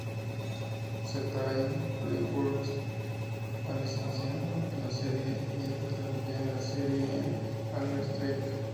Sentai Filmworks ha licenciado la serie y está transmitiendo la serie en Anime Strike.